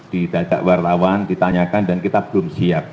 didajak wartawan ditanyakan dan kita belum siap